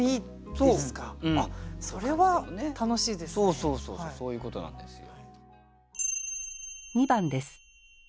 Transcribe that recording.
そうそうそうそうそういうことなんですよ。